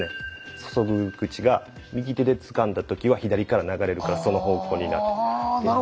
注ぐ口が右手でつかんだ時は左から流れるからその方向になってる。